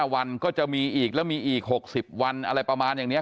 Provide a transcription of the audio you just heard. วันก็จะมีอีกแล้วมีอีก๖๐วันอะไรประมาณอย่างนี้